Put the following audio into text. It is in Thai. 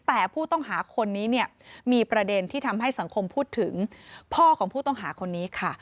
แต่ผู้ต้องหาคนนี้เนี่ยมีประเด็นที่ทำให้สังคมพูดถึงพ่อของผู้ต้องหาคนนี้ค่ะ